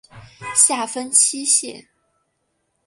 下分七县。